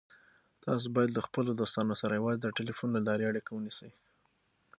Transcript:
تاسو باید له خپلو دوستانو سره یوازې د ټلیفون له لارې اړیکه ونیسئ.